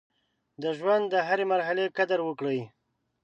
د ژوند د هرې مرحلې قدر وکړئ.